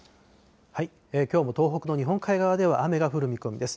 きょうも東北の日本海側では雨が降る見込みです。